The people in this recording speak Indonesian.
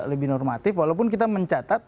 lebih normatif walaupun kita mencatat